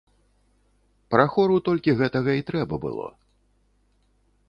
Прахору толькі гэтага і трэба было.